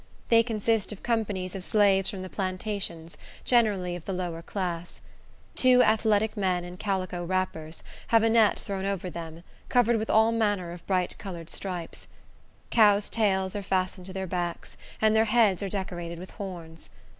They consist of companies of slaves from the plantations, generally of the lower class. Two athletic men, in calico wrappers, have a net thrown over them, covered with all manner of bright colored stripes. Cows' tails are fastened to their backs, and their heads are decorated with horns.